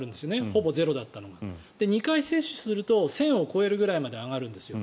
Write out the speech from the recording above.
ほぼゼロだったのが２回目を接種すると１０００まで上がるんです。